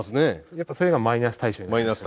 やっぱそういうのはマイナス対象になります。